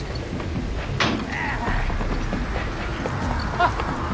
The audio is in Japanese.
あっ！